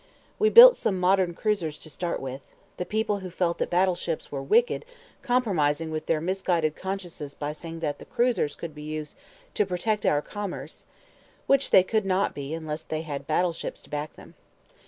We built some modern cruisers to start with; the people who felt that battle ships were wicked compromising with their misguided consciences by saying that the cruisers could be used "to protect our commerce" which they could not be, unless they had battle ships to back them.